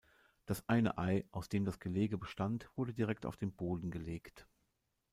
Das eine Ei, aus dem das Gelege bestand, wurde direkt auf den Boden gelegt.